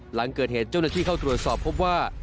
หลังเกิดเหตุเจ้าหน้าที่เข้าตรวจสอบพบว่า